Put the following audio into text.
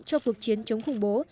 cho cuộc chiến chống khủng bố